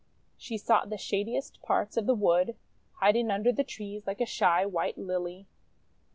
She sought the shadiest parts of the wood, hiding under the trees like a shy white Lily.